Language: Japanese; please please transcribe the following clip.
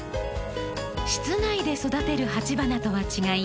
室内で育てる鉢花とは違い